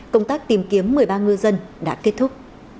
công tác tìm kiếm một mươi ba ngư dân đã kết thúc